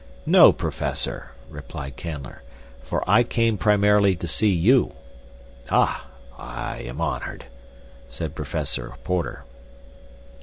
"No, Professor," replied Canler, "for I came primarily to see you." "Ah, I am honored," said Professor Porter.